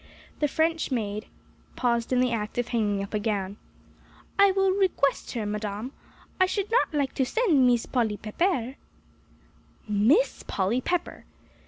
The French maid paused in the act of hanging up a gown. "I will re quest her, Madame. I should not like to send Mees Polly Peppaire." "Miss Polly Pepper!"